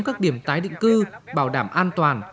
các điểm tái định cư bảo đảm an toàn